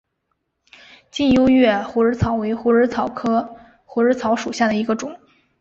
近优越虎耳草为虎耳草科虎耳草属下的一个种。